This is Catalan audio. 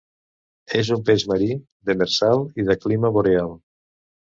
És un peix marí, demersal i de clima boreal.